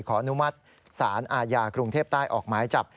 อนุมัติศาลอาญากรุงเทพใต้ออกหมายจับ